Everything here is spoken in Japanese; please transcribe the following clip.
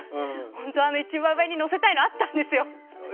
本当は一番上に載せたいのがあったんですよ。